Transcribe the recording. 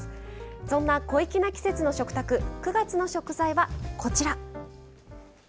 そんな小粋な季節の食卓９月の食材は、こちら。